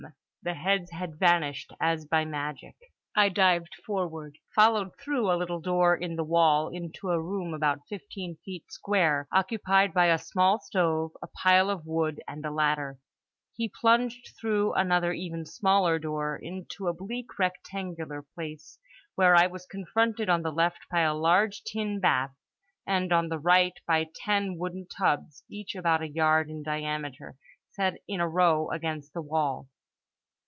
The heads had vanished as by magic. I dived forward; followed through a little door in the wall into a room about fifteen feet square, occupied by a small stove, a pile of wood, and a ladder. He plunged through another even smaller door, into a bleak rectangular place, where I was confronted on the left by a large tin bath and on the right by ten wooden tubs, each about a yard in diameter, set in a row against the wall.